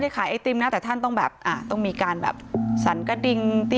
ขอแอศทีมอะไรไม่ได้